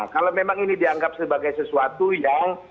kalau memang ini dianggap sebagai sesuatu yang